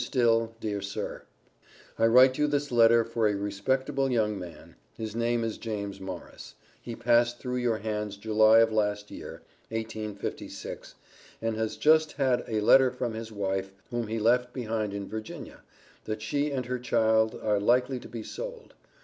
STILL, DEAR SIR: I write you this letter for a respectable young man (his name is James Morris), he passed through your hands July of last year (1856), and has just had a letter from his wife, whom he left behind in Virginia, that she and her child are likely to be sold.